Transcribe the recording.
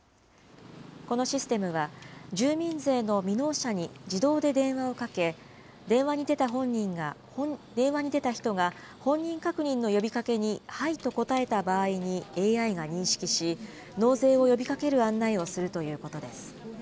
このシステムは住民税の未納者に自動で電話をかけ、電話に出た人が、本人確認の呼びかけにはいと答えた場合にＡＩが認識し、納税を呼びかける案内をするということです。